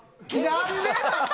何でなん？